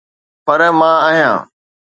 پر مان آهيان.